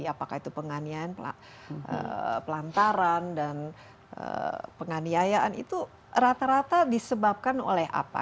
apakah itu penganiayaan pelantaran dan penganiayaan itu rata rata disebabkan oleh apa